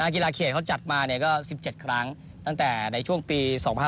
กีฬาเขตเขาจัดมาก็๑๗ครั้งตั้งแต่ในช่วงปี๒๕๕๙